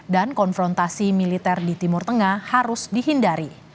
dan konfrontasi militer di timur tengah harus dihindari